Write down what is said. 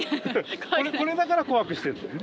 これだから怖くしてるんだよね？